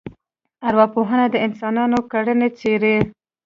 ارواپوهنه د انسانانو کړنې څېړي